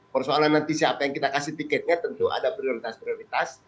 persoalan nanti siapa yang kita kasih tiketnya tentu ada prioritas prioritas